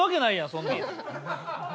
そんなの。